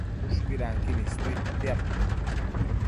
Ushcuidanquin istuidtia